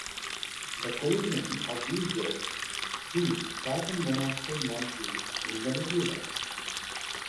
The collision of these jets heats carbon monoxide molecules in the nebula.